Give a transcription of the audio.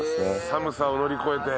寒さを乗り越えて。